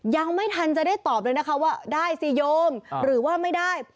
ยังไม่ทันจะได้ตอบเลยนะคะว่าได้สิโยมหรือว่าไม่ได้